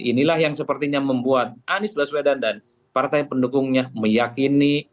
inilah yang sepertinya membuat anies baswedan dan partai pendukungnya meyakini